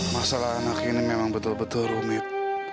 masalah anak ini memang betul betul rumit